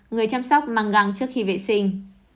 người chăm sóc mang găng trước khi vệ sinh